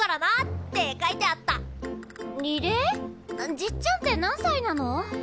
じっちゃんって何さいなの？